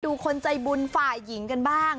คนใจบุญฝ่ายหญิงกันบ้าง